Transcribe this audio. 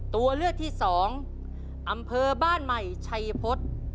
ตัวเลือกที่๒อำเภอบ้านใหม่ชัยพฤษ